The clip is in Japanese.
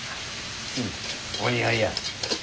うんお似合いや。